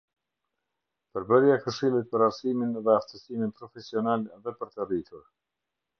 Përbërja e Këshillit për arsimin dhe aftësimin profesional dhe për të rritur.